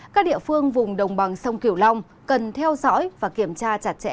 các địa phương vùng đồng bằng sông kiểu long cần theo dõi và kiểm tra chặt chẽ